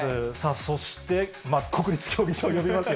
そして国立競技場呼びますよ。